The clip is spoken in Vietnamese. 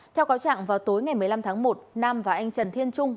theo cáo trạng vào tối ngày một mươi năm tháng một nam và anh trần thiên trung